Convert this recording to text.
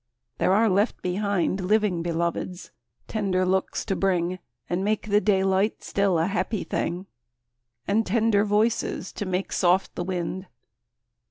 there are left behind Living Beloveds, tender looks to bring, And make the daylight still a happy thing, And tender voices, to make soft the wind.